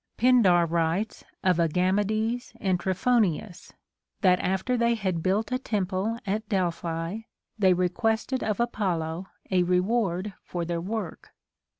Pindar writes of Agamedes and Trophonius, that after they had built a temple at Delphi, they requested of Apollo a reward for their work.